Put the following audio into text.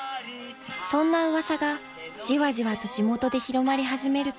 ［そんな噂がじわじわと地元で広まり始めると］